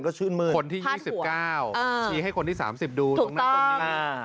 คนที่๒๙ชี้ให้คนที่๓๐ดูตรงนั้น